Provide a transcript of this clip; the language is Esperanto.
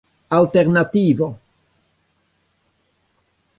alternativo